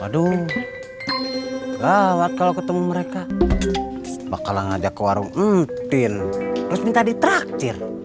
waduh gawat kalau ketemu mereka bakal ngajak ke warung mdin minta di traktir